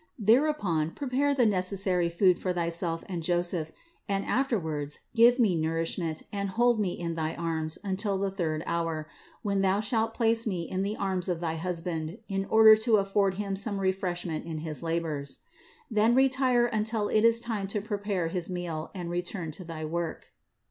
Thereupon prepare the necessary food for thyself and Joseph; and afterwards give Me nourishment and hold Me in thy arms until the third hour, when thou shalt place Me in the arms of thy husband, in order to afford him some refreshment in his labors. Then retire until it is time to prepare his meal and return to thy work.